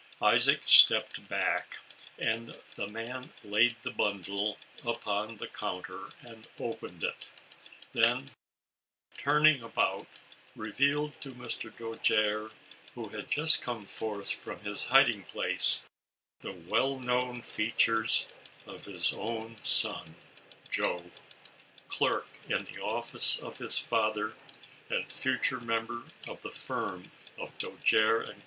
Isaac stepped back, and the man laid the bundle upon the counter, and opened it; then, turning about, revealed to Mr. Dojere, who had* just come forth from his hiding place, the well known features of his own son Joe, clerk in the office of his father, and future member of the firm of Dojere & Co.